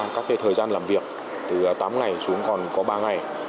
các thời gian làm việc từ tám ngày xuống còn có ba ngày